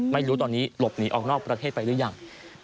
ไม่รู้ตอนนี้หลบหนีออกนอกประเทศไปหรือยัง